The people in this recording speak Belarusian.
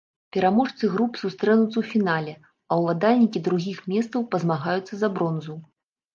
Пераможцы груп сустрэнуцца ў фінале, а ўладальнікі другіх месцаў пазмагаюцца за бронзу.